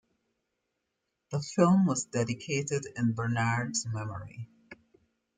The film was dedicated in Bernard's memory.